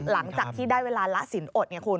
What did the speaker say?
หลังจากที่ได้เวลาระสินโอดเนี่ยคุณ